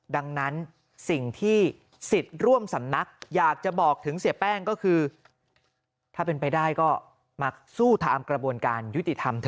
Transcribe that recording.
ดังนั้นสิ่งที่สิทธิ์ร่วมสำนักอยากจะบอกถึงเสียแป้งก็คือถ้าเป็นไปได้ก็มาสู้ตามกระบวนการยุติธรรมเถ